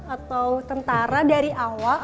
atau tentara dari awal